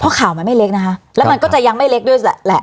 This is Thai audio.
เพราะข่าวมันไม่เล็กนะคะแล้วมันก็จะยังไม่เล็กด้วยแหละ